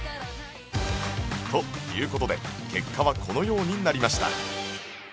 という事で結果はこのようになりました